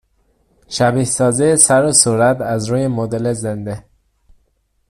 شبیه سازی سر و صورت از روی مدل زنده